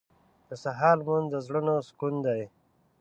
• د سهار لمونځ د زړونو سکون دی.